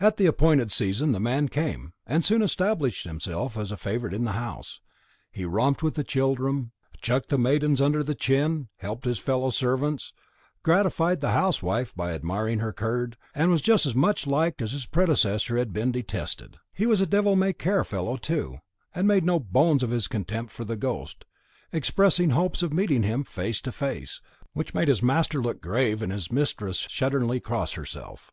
At the appointed season the man came, and soon established himself as a favourite in the house; he romped with the children, chucked the maidens under the chin, helped his fellow servants, gratified the housewife by admiring her curd, and was just as much liked as his predecessor had been detested. He was a devil may care fellow, too, and made no bones of his contempt for the ghost, expressing hopes of meeting him face to face, which made his master look grave, and his mistress shudderingly cross herself.